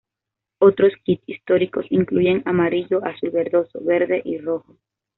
Otros kits históricos incluyen amarillo, azul verdoso, verde y rojo.